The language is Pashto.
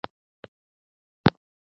ښار زموږ لوی کور دی.